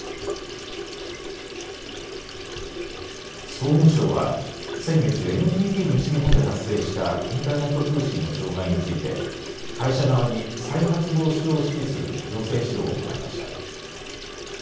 総務省は先月、ＮＴＴ西日本で発生したインターネット通信の障害について会社側に再発防止を指示する行政指導を行いました。